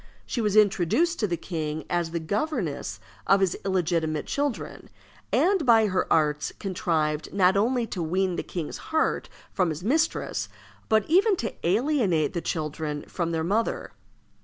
She was introduced to the king as the governess of his illegitimate children, and by her arts contrived not only to wean the king's heart from his mistress, but even to alienate the children from their mother.